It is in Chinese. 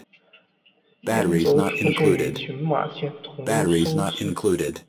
岩泽出生于群马县桐生市。